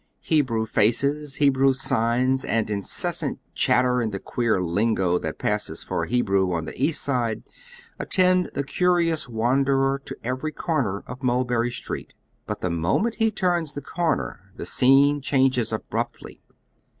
Hebrew faces, Hebrew signs, and incessant chat ter in the queer lingo that passes for Hebrew on the East Side attend the curious wandei er to the very corner of Mulberry Street. But the moment he turns the corner the scene changes abruptly.